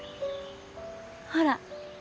ほら。